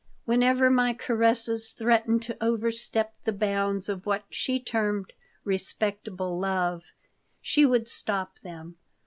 Whenever my caresses threatened to overstep the bounds of what she termed "respectable love" she would stop them.